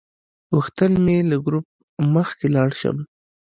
غوښتل مې له ګروپ مخکې لاړ شم.